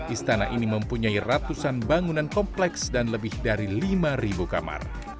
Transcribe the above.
istana ini mempunyai ratusan bangunan kompleks dan lebih dari lima kamar